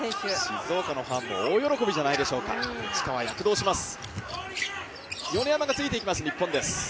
静岡のファンも大喜びじゃないでしょうか、市川、躍動します。